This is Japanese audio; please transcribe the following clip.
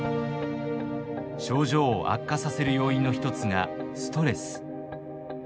症状を悪化させる要因の一つがストレス。